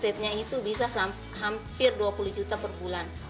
sebenarnya dalam defibriliasi air dalam ukurana air sungguh juga favourit lahir